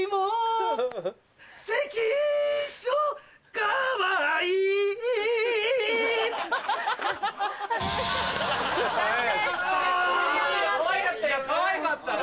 かわいかったよかわいかったよ。